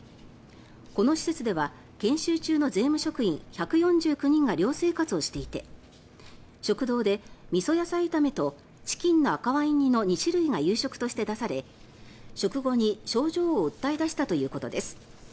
この施設では研修中の税務職員１４９人が寮生活をしていて食堂で、みそ野菜炒めとチキンの赤ワイン煮の２種類が夕食として出され食後に症状を訴え出したということです。